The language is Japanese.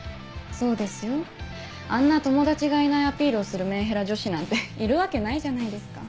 そうですよあんな友達がいないアピールをするメンヘラ女子なんているわけないじゃないですか。